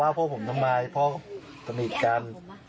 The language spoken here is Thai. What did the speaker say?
อ๋อว่าพ่อผมทำไมพ่อสนิทกัน